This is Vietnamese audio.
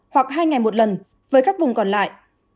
hoặc hai ngày một lần với các vùng còn lại